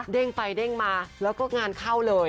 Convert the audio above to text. ไปเด้งมาแล้วก็งานเข้าเลย